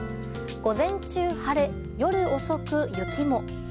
午前中晴れ、夜遅く雪も。